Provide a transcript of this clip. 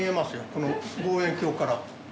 この望遠鏡から。